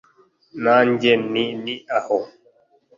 nanjye nti : ni aho.